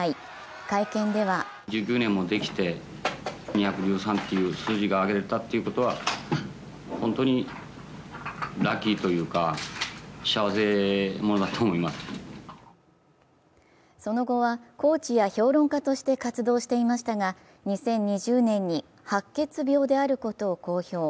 会見ではその後はコーチや評論家として活動していましたが２０２０年に白血病であることを公表。